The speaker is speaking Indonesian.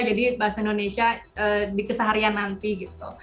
jadi bahasa indonesia di keseharian nanti gitu